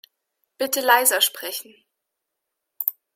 Bitte leiser sprechen.